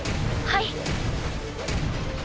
はい。